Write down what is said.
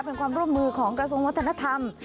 เป็นความร่วมมือของกระทรวงวัฒนธรรม